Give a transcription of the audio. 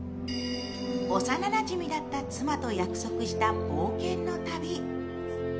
幼なじみだった妻と約束した冒険の旅。